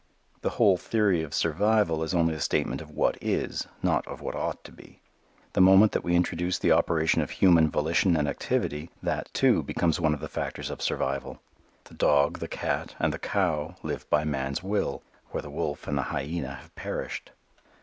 The whole theory of survival is only a statement of what is, not of what ought to be. The moment that we introduce the operation of human volition and activity, that, too, becomes one of the factors of "survival." The dog, the cat, and the cow live by man's will, where the wolf and the hyena have perished.